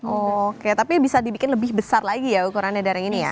oke tapi bisa dibikin lebih besar lagi ya ukurannya dari ini ya